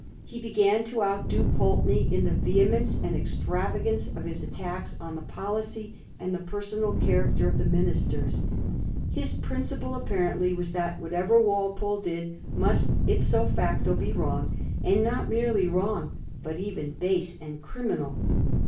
He began to outdo Pulteney in the vehemence and extravagance of his attacks on the policy and the personal character of the ministers. His principle apparently was that whatever Walpole did must ipso facto be wrong, and not merely wrong, but even base and criminal.